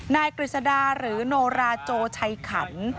นายกริศดาหรือนโนราโจชัยขัน